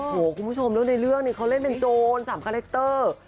โอ้โหคุณผู้ชมแล้วในเรื่องนี้เขาเล่นเป็นโจร๓คาแรคเตอร์